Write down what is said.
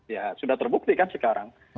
ya sudah terbuktikan sekarang